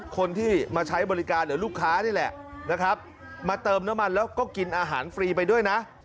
คนที่มาใช้บริการหรือลูกค้านี่แหละนะครับมาเติมน้ำมันแล้วก็กินอาหารฟรีไปด้วยนะ